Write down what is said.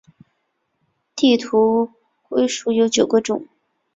地图龟属有九个种。